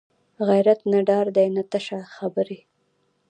غیرت نه ډار دی نه تشه خبرې